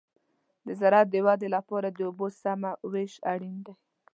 د زراعت د ودې لپاره د اوبو سمه وېش اړین دی.